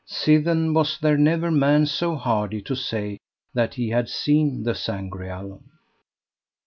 Sithen was there never man so hardy to say that he had seen the Sangreal.